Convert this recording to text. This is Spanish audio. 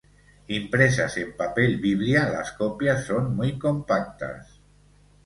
Impresas en papel biblia, las copias son muy compactas.